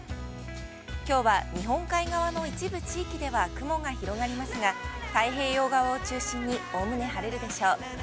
きょうは日本海側の一部地域で、雲が広がりますが、太平洋側を中心におおむね晴れるでしょう。